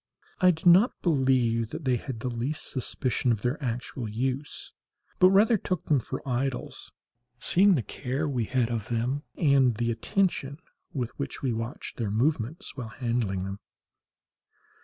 I do not believe that they had the least suspicion of their actual use, but rather took them for idols, seeing the care we had of them, and the attention with which we watched their movements while handling them.